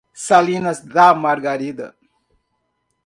Salinas da Margarida